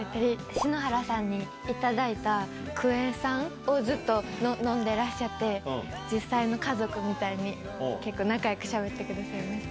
篠原さんに頂いたクエン酸をずっと飲んでらっしゃって、実際の家族みたいに、結構仲よくしゃべってくださいました。